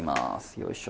よいしょ。